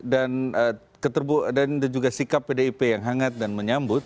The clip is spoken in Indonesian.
dan juga sikap pdip yang hangat dan menyambut